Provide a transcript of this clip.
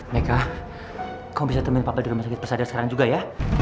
meka kau bisa temuin papa di rumah sakit pas ada sekarang juga ya